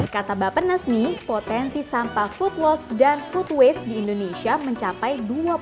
kata bapak nesmi potensi sampah food waste di indonesia mencapai